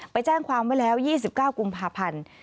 ไปแจ้งความไว้แล้ว๒๙กุมภาพันธ์